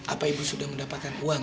apa ibu sudah mendapatkan uang